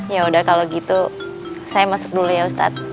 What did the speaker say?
ya udah kalau gitu saya masuk dulu ya ustadz